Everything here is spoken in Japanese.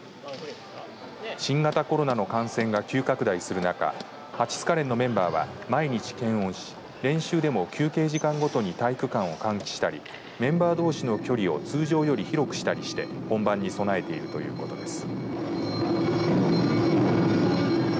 新型コロナの感染が急拡大する中蜂須賀連のメンバーは毎日検温し練習でも休憩時間ごとに体育館を換気したりメンバーどうしの距離を通常より広くしたりして本番に備えているということです。